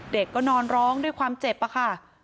เด็กก็นอนร้องด้วยความเจ็บอะค่ะ